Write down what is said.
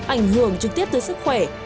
ảnh hưởng trực tiếp tới sức khỏe